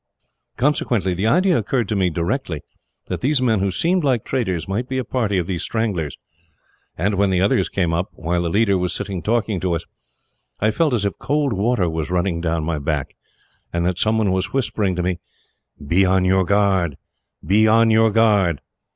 Consequently, the idea occurred to me, directly, that these men who seemed like traders might be a party of these Stranglers; and when the others came up, while the leader was sitting talking to us, I felt as if cold water was running down my back, and that someone was whispering to me, 'Be on your guard, be on your guard!'